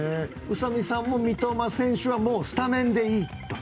宇佐美さんも三笘選手はスタメンでいいと。